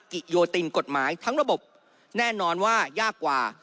กิโยตินกฎหมายทั้งระบบแน่นอนว่ายากกว่า